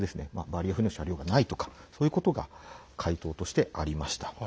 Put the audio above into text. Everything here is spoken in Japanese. バリアフリーの車両がないとかそういうことが回答としてありました。